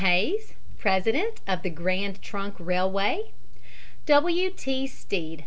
Hays, president of the Grand Trunk Railway; W. T. Stead.